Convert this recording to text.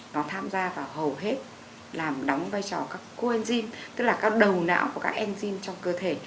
nó tham gia vào hầu hết làm đóng vai trò các côney tức là các đầu não của các enzym trong cơ thể